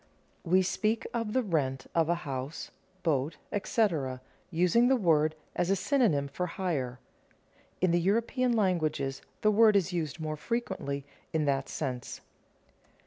_ We speak of the rent of a house, boat, etc., using the word as a synonym for hire. In the European languages the word is used more frequently in that sense.